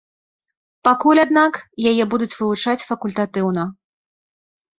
Пакуль, аднак, яе будуць вывучаць факультатыўна.